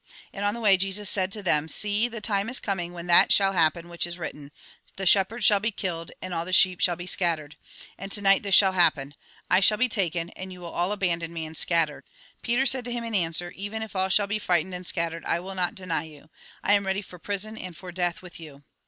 And on the way Jesus said to them :" See, the time is coming when that shall happen which is written, the shepherd shall be killed, and all the sheep shall be scattered. And to night this shall happen. I shall be taken, and you will all abandon me, and scatter." Peter said to him in answer :" Even if all shall be frightened, and scatter, I will not deny you. I am ready for prison and for death with you."